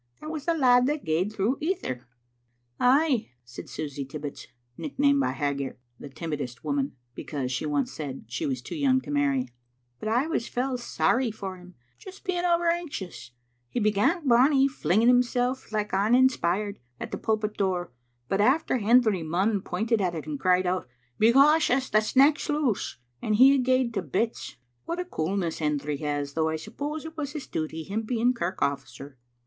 "That was the lad that gaed through ither." "Ay," said Susy Tibbits, nicknamed by Haggart "the Timidest Woman" because she once said she was too young to marry, " but I was fell sorry for him, just being over anxious. He began bonny, flinging himself, like ane inspired, at the pulpit door, but after Hendry Munn pointed at it and cried out, *Be cautious, the sneck's loose,' he a' gaed to bits. What a coolness Hendry has, though I suppose it was his duty, him being kirk ofiicer.